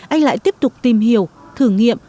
anh lại tiếp tục tìm hiểu thử nghiệm